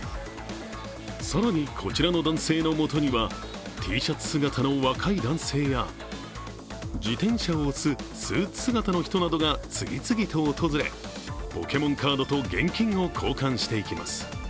更にこちらの男性のもとにはＴシャツ姿の若い男性や、自転車を押すスーツ姿の人などが次々と訪れ、ポケモンカードと現金を交換していきます。